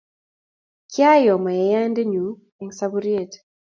kiayo mayayande nyu eng' saburiet.